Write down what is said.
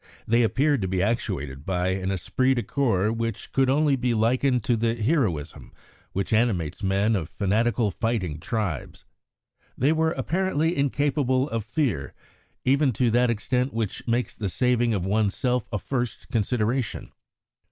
They appeared to be actuated by an esprit de corps which could only be likened to the heroism which animates men of fanatical fighting tribes. They were apparently incapable of fear, even to that extent which makes the saving of one's self a first consideration.